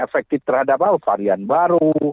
efektif terhadap varian baru